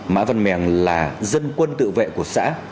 mã văn mèng là dân quân tự vệ của xã